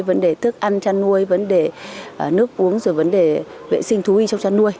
vấn đề thức ăn chăn nuôi vấn đề nước uống rồi vấn đề vệ sinh thú y trong chăn nuôi